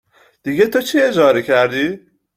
دیگه تو چی اجاره کردی؟